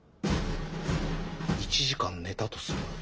１時間寝たとする。